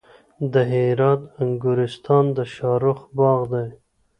د هرات انګورستان د شاهرخ باغ دی